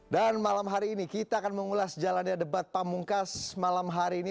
dan malam hari ini kita akan mengulas jalannya debat pamungkas malam hari ini